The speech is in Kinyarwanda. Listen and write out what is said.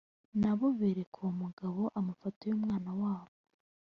na bo bereka uwo mugabo amafoto y umwana wabo